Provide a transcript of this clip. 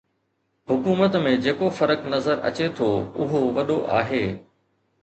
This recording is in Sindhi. حڪومت ۾ جيڪو فرق نظر اچي ٿو اهو وڏو آهي